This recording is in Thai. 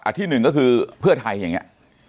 ที่หนึ่งก็คือเพื่อไทยอย่างนี้